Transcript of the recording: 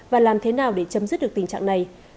và làm thế nào để chấm dứt được tình trạng này